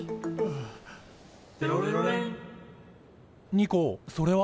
ニコそれは？